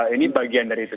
ini bagian dari itu